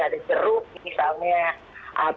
ada jeruk misalnya